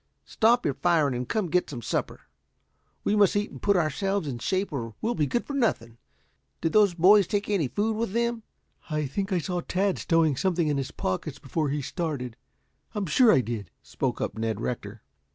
Stop your firing and come get some supper. We must eat and put ourselves in shape or we'll be good for nothing. Did those boys take any food with them?" "I think I saw Tad stowing something in his pockets before he started. I'm sure I did," spoke up Ned Rector.